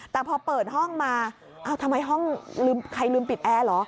แต่พอเปิดห้องมาทำไมห้องลืมใครลืมปิดแอร์เหรอ